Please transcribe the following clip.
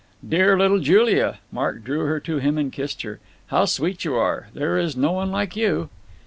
"Dear little Julia!" Mark drew her to him and kissed her. "How sweet you are. There is no one like you!"